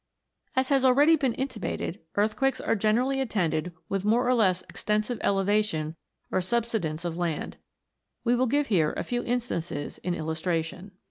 As has already been intimated, earthquakes are generally attended with more or less extensive ele vation or subsidence of land. We will give here a few instances in illustration.